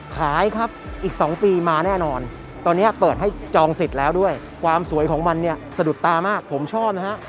ขายครับอีก๒ปีมาแน่นอนตอนนี้เปิดให้จองสิทธิ์แล้วด้วยความสวยของมันเนี่ยสะดุดตามากผมชอบนะฮะ